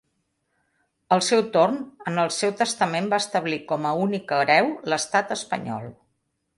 Al seu torn, en el seu testament va establir com a únic hereu l'Estat espanyol.